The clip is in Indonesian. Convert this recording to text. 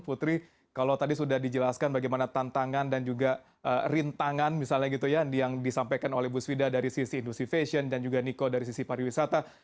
putri kalau tadi sudah dijelaskan bagaimana tantangan dan juga rintangan misalnya gitu ya yang disampaikan oleh bu svida dari sisi industri fashion dan juga niko dari sisi pariwisata